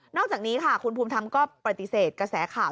อกจากนี้ค่ะคุณภูมิธรรมก็ปฏิเสธกระแสข่าว